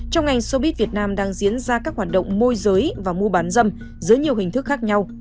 trong ngành sobit việt nam đang diễn ra các hoạt động môi giới và mua bán dâm dưới nhiều hình thức khác nhau